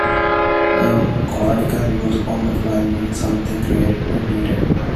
In colloquial use, "on the fly" means something created when needed.